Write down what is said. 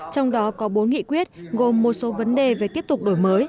trong đó có bốn nghị quyết gồm một số vấn đề về tiếp tục đổi mới